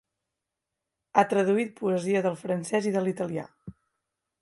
Ha traduït poesia del francès i de l'italià.